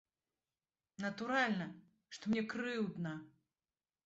Натуральна, што мне крыўдна.